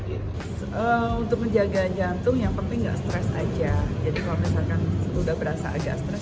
itu untuk menjaga jantung yang penting enggak stres aja jadi kalau misalkan sudah berasa agak stres